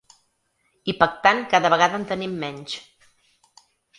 I pactant cada vegada en tenim menys.